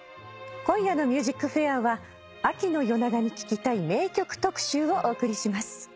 今夜の『ＭＵＳＩＣＦＡＩＲ』は秋の夜長に聴きたい名曲特集をお送りします。